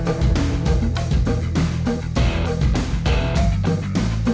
abang itu sebelah itu tidak ada jalan bergerak lagi